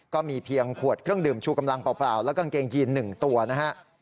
ก็มีเพียงขวดเครื่องดื่มชูกำลังเปล่าและกางเกงยีน๑ตัวนะฮะ